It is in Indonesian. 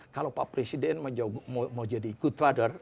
kalau pak presiden mau jadi good father